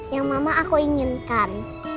yang mama aku inginkan